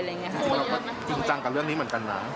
เราก็จริงจังกับเรื่องนี้เหมือนกันนะ